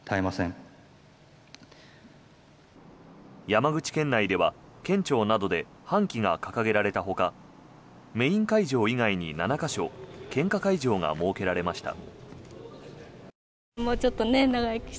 山口県内では県庁などで半旗が掲げられたほかメイン会場以外に７か所献花会場が設けられました。